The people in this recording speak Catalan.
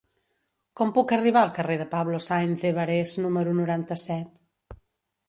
Com puc arribar al carrer de Pablo Sáenz de Barés número noranta-set?